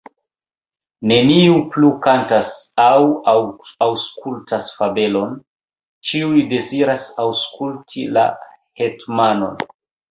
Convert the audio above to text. Neniu plu kantas aŭ aŭskultas fabelon, ĉiuj deziras aŭskulti la hetmanon.